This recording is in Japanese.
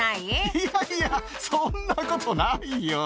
「いやいやそんなことないよ